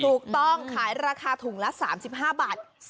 ถูกต้องขายราคาถุงละ๓๕บาท